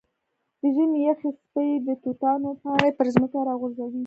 د ژمي یخې څپې د توتانو پاڼې پر ځمکه راغورځوي.